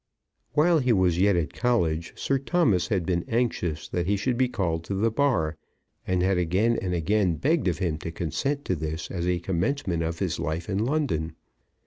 While he was yet at college Sir Thomas had been anxious that he should be called to the Bar, and had again and again begged of him to consent to this as a commencement of his life in London.